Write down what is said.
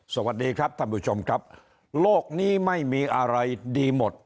สวัสดีครับท่านผู้ชมครับโลกนี้ไม่มีอะไรดีหมด